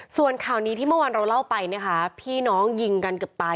ส่วนข่าวนี้ที่เมื่อวานเราเล่าไปนะคะพี่น้องยิงกันเกือบตาย